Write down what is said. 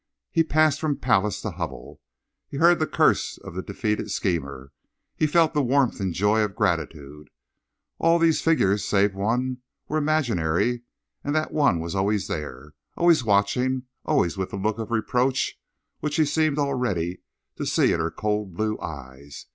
He passed from palace to hovel. He heard the curse of the defeated schemer, he felt the warmth and joy of gratitude. All these figures, save one, were imaginary, and that one was always there, always watching, always with that look of reproach which he seemed already to see in her cold blue eyes.